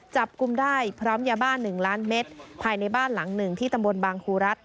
จับกลุ่มได้พร้อมยาบ้า๑ล้านเมตรภายในบ้านหลังหนึ่งที่ตำบลบางครูรัฐ